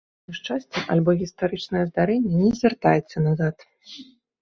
А няшчасце альбо гістарычнае здарэнне не звяртаецца назад.